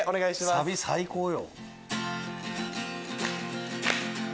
サビ最高よ。